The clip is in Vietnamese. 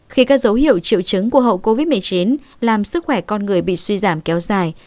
khi các dấu hiệu triệu chứng của hậu covid một mươi chín làm sức khỏe con người bị suy giảm kéo dài